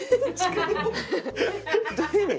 どういう意味？